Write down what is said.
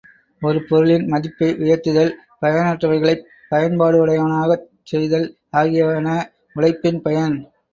ஒரு பொருளின் மதிப்பை உயர்த்துதல் பயனற்றவைகளைப் பயன்பாடுடையனவாகச் செய்தல் ஆகியன உழைப்பின் பயன்.